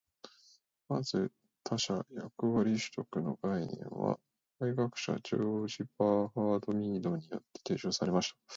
まず、「他者の役割取得」の概念は社会学者ジョージ・ハーバート・ミードによって提唱された。